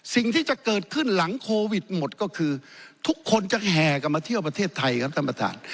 สิ่งที่จะเกิดขึ้นหลังโควิดหมดก็คือทุกคนจะแห่กลับมาเที่ยวประเทศไทยครับท่านประธาน